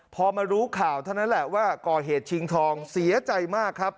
พอมารู้ข่าวเท่านั้นแหละว่าก่อเหตุชิงทองเสียใจมากครับ